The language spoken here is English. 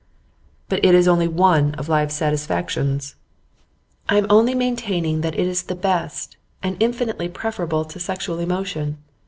'But it is only one of life's satisfactions.' 'I am only maintaining that it is the best, and infinitely preferable to sexual emotion.